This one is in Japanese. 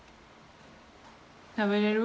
食べれる？